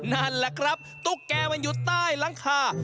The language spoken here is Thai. นั่นแหละครับตุ๊กแกมันอยู่ใต้หลังคา